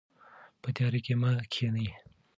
په تیاره کې مه کښینئ.